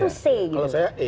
kalau saya e